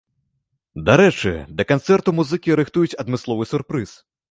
Дарэчы, да канцэрту музыкі рыхтуюць адмысловы сюрпрыз.